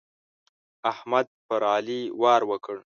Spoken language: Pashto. احمد پر علي وار وکړ.